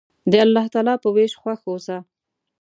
د الله تعالی په ویش خوښ اوسه.